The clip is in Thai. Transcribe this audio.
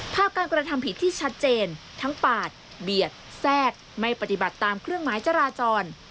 การกระทำผิดที่ชัดเจนทั้งปาดเบียดแทรกไม่ปฏิบัติตามเครื่องหมายจราจร